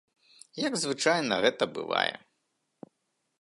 Як звычайна гэта бывае.